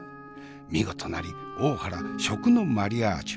見事なり大原食のマリアージュ。